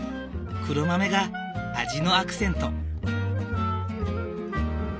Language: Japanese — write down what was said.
黒豆が味のアクセント。